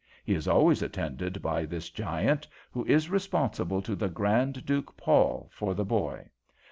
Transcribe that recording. He is always attended by this giant, who is responsible to the Grand Duke Paul for the boy.